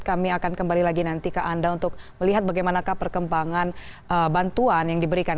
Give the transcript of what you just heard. kami akan kembali lagi nanti ke anda untuk melihat bagaimana perkembangan bantuan yang diberikan